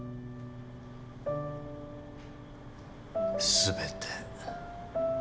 全て。